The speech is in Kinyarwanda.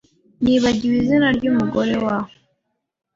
Nibagiwe izinawe ryumugore wa .